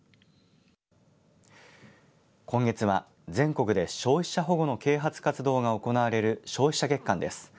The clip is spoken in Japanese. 今月は全国で消費者保護の啓発活動が行われる消費者月間です。